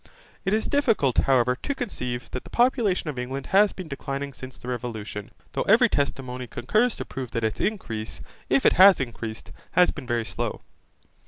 It is difficult, however, to conceive that the population of England has been declining since the Revolution, though every testimony concurs to prove that its increase, if it has increased, has been very slow.